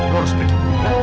lo harus pergi